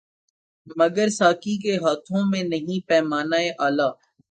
مگر ساقی کے ہاتھوں میں نہیں پیمانۂ الا